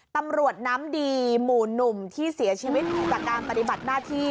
ตำรวจน้ำดีหมู่หนุ่มที่เสียชีวิตจากการปฏิบัติหน้าที่